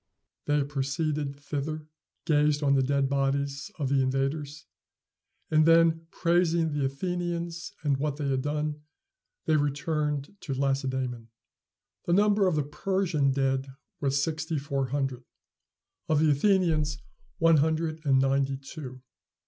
They proceeded thither, gazed on the dead bodies of the invaders, and then praising the Athenians and what they had done, they returned to Lacedæmon. The number of the Persian dead was sixty four hundred; of the Athenians, one hundred and ninety two.